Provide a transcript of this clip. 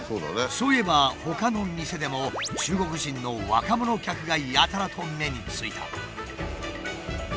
そういえばほかの店でも中国人の若者客がやたらと目についた。